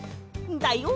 だよ！